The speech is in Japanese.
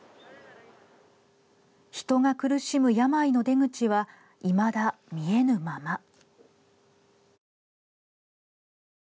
人が苦しむ病の出口はいまだ見えぬまま。